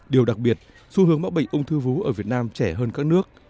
điều đặc biệt xu hướng mắc bệnh ung thư vú ở việt nam trẻ hơn các nước